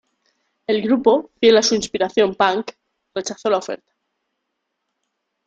El grupo, fiel a su inspiración punk, rechazó la oferta.